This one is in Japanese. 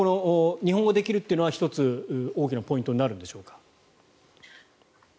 日本語ができるというのは１つ、大きなポイントになるんでしょうか？